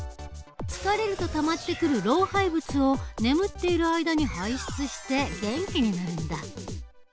疲れるとたまってくる老廃物を眠っている間に排出して元気になるんだ。